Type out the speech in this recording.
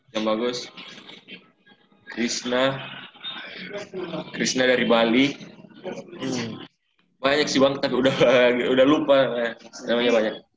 yang bagus krisna krishna dari bali banyak sih bang tapi udah lupa namanya banyak